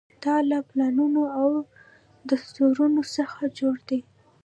دا له پلانونو او دستورونو څخه جوړ دی.